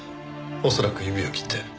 恐らく指を切って。